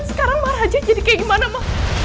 sekarang raja jadi kayak gimana